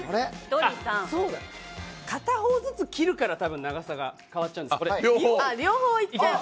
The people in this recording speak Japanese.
そうだ、片方ずつ切るから長さが変わっちゃうんだ。